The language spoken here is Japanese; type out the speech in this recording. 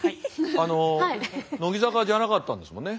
あの乃木坂じゃなかったんですもんね？